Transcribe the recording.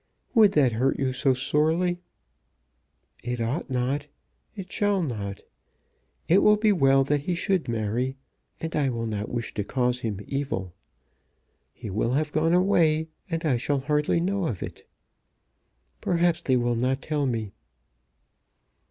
"Would that hurt you so sorely?" "It ought not. It shall not. It will be well that he should marry, and I will not wish to cause him evil. He will have gone away, and I shall hardly know of it. Perhaps they will not tell me."